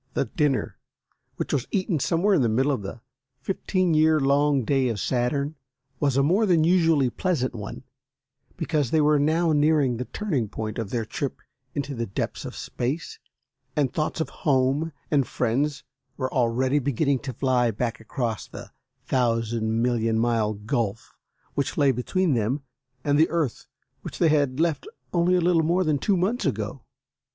The dinner, which was eaten somewhere in the middle of the fifteen year long day of Saturn, was a more than usually pleasant one, because they were now nearing the turning point of their trip into the depths of Space, and thoughts of home and friends were already beginning to fly back across the thousand million mile gulf which lay between them and the Earth which they had left only a little more than two months ago.